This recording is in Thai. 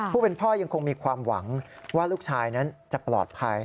ผู้เป็นพ่อยังคงมีความหวังว่าลูกชายนั้นจะปลอดภัย